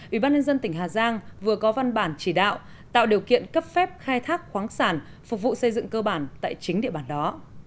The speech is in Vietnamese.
ủy ban nhân dân tỉnh hà giang vừa có văn bản chỉ đạo tạo điều kiện cấp phép khai thác khoáng sản phục vụ xây dựng cơ bản tại chính địa bàn đó